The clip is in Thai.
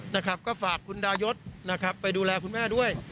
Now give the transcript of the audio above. นะครับก็ฝากคุณดายศนะครับไปดูแลคุณแม่ด้วย